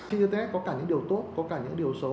internet có cả những điều tốt có cả những điều xấu